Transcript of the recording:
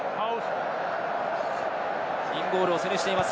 インゴールを背にしています。